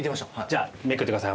じゃあめくってください。